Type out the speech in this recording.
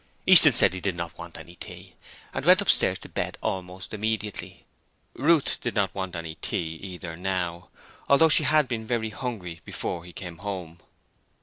Easton said he did not want any tea, and went upstairs to bed almost immediately. Ruth did not want any tea either now, although she had been very hungry before he came home.